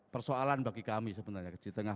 persoalan bagi kami sebenarnya di tengah